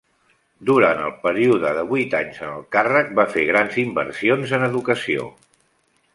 Durant el període de vuit anys en el càrrec, va fer grans inversions en educació.